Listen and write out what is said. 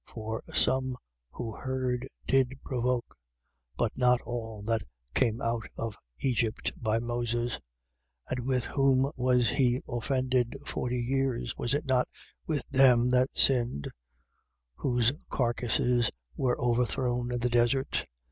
3:16. For some who heard did provoke: but not all that came out of Egypt by Moses. 3:17. And with whom was he offended forty years? Was it not with them that sinned, whose carcasses were overthrown in the desert?